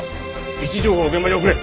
位置情報を現場に送れ！